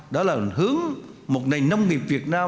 đó là hướng một nền nông nghiệp việt nam